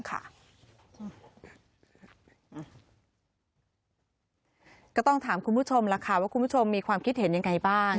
ก็ต้องถามคุณผู้ชมล่ะค่ะว่าคุณผู้ชมมีความคิดเห็นยังไงบ้าง